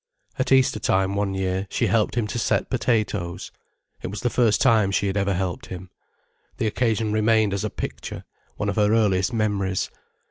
At Eastertime one year, she helped him to set potatoes. It was the first time she had ever helped him. The occasion remained as a picture, one of her earliest memories.